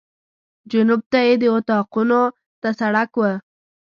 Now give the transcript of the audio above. جنوب ته یې د اطاقونو ته سړک و.